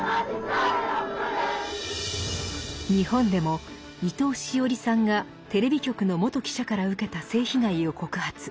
日本でも伊藤詩織さんがテレビ局の元記者から受けた性被害を告発。